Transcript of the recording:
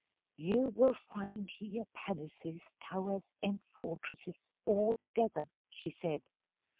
'You will find here palaces, towers, and fortresses, all together,' she said.